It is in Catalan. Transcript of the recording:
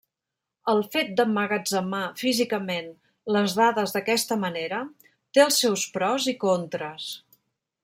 El fet d'emmagatzemar físicament les dades d'aquesta manera té els seus pros i contres.